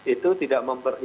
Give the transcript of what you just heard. itu tidak menggoda